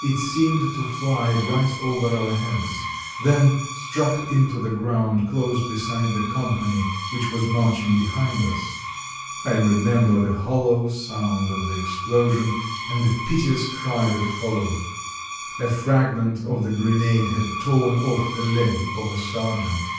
It seemed to fly right over our heads, then struck into the ground close beside the com pany which was marching behind us. I remember the hollow sound of the explosion and the piteous cry that followed. A fragment of the grenade had torn off the leg of a sergeant.